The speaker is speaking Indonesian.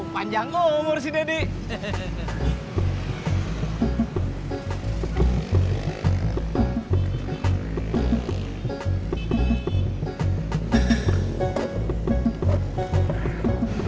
panjang ngomor si deddy